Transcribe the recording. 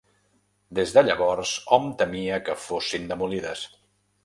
Des de llavors hom temia que fossin demolides.